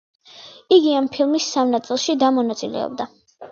იგი ამ ფილმის სამ ნაწილში: და მონაწილეობდა.